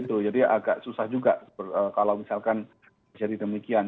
itu juga bisa juga kalau misalkan jadi demikian